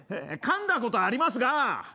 かんだことありますが。